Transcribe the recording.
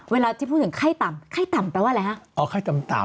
เวลาที่พูดถึงไข้ต่ำไข้ต่ำแปลว่าอะไรฮะ